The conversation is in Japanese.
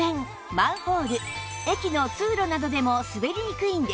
マンホール駅の通路などでも滑りにくいんです